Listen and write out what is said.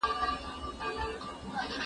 شاګرد د پوهنتون په کتابتون کي کار کوي.